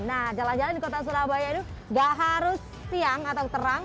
nah jalan jalan di kota surabaya itu gak harus siang atau terang